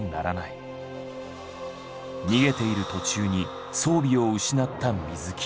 逃げている途中に装備を失った水木。